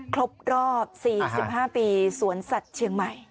ครบรอบ๔๕ปีสวนสัตว์เชียงใหม่